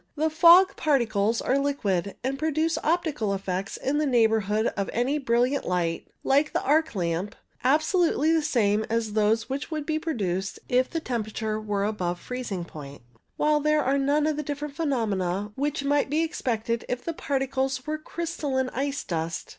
The fog particles are liquid, and produce optical effects in the neighbourhood of any brilliant light, like an arc lamp, absolutely the same as those which would be produced if the temperature were above freezing point, while there are none of the different phe nomena which might be expected if the particles were crystalline ice dust.